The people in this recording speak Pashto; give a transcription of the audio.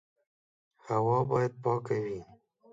هوا باید پاکه وي.